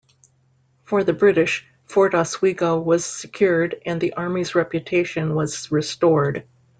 For the British, Fort Oswego was secured, and the army's reputation was restored.